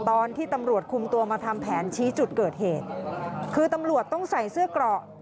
ตอนที่ตำรวจคุมตัวมาทำแผนชี้จุดเกิดเหตุคือตำรวจต้องใส่เสื้อเกราะ